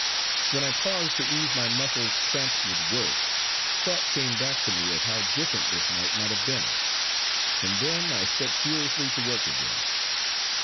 When I paused to ease my muscles cramped with work, thought came back to me of how different this night might have been.... And then I set furiously to work again.